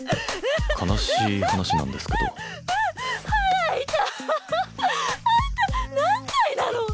悲しい話なんですけど腹痛いあんた何歳なの？